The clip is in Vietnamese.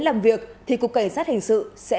làm việc thì cục cảnh sát hình sự sẽ